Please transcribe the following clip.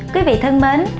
quý vị thân mến